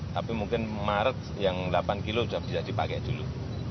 tapi mungkin maret yang delapan kilo sudah bisa dipakai dulu